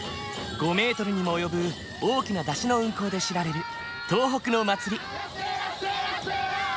５ｍにも及ぶ大きな山車の運行で知られる東北の祭り。